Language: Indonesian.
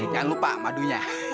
jangan lupa madunya